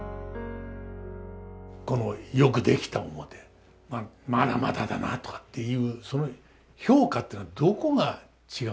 このよくできた面「まだまだだなあ」とかっていうその評価っていうのはどこが違うんですか？